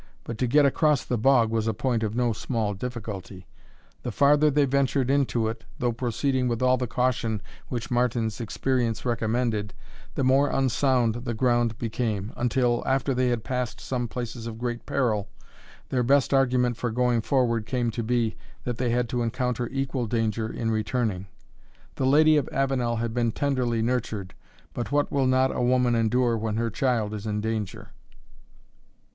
But to get across the bog was a point of no small difficulty. The farther they ventured into it, though proceeding with all the caution which Martin's experience recommended, the more unsound the ground became, until, after they had passed some places of great peril, their best argument for going forward came to be, that they had to encounter equal danger in returning. The Lady of Avenel had been tenderly nurtured, but what will not a woman endure when her child is in danger?